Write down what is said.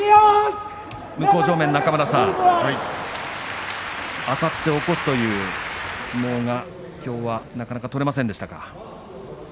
向正面の中村さんあたって起こすという相撲がきょうはなかなか取れませんでしたか。